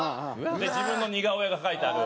自分の似顔絵が描いてある。